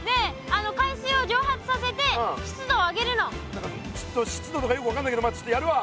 何かちょっと湿度とかよく分かんないけどちょっとやるわ。